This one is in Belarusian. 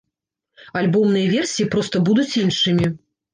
Альбомныя версіі проста будуць іншымі.